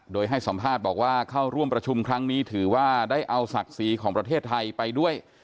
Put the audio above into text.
โดยให้สัมภาษณ์บอกว่าเข้าร่วมประชุมครั้งนี้ถือว่าได้เอาศักดิ์ศรีของประเทศไทยไปด้วย